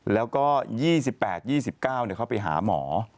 แล้วก็๒๘๒๙เขาไปหาหมอ